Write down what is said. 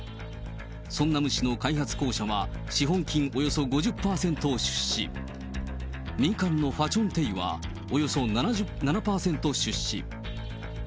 ソンナム市の開発公社は資本金およそ５０％を出資し、民間のファチョンテユはおよそ７％を出資。